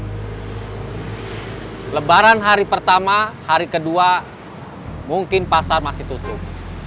jadi lebaran hari pertama hari kedua mungkin pasar masih tutup